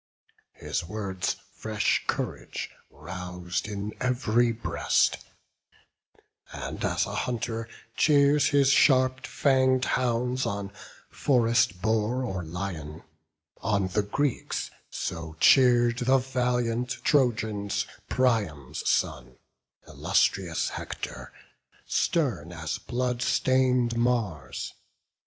His words fresh courage rous'd in ev'ry breast: And as a hunter cheers his sharp fang'd hounds On forest boar or lion; on the Greeks So cheer'd the valiant Trojans Priam's son, Illustrious Hector, stern as blood stain'd Mars.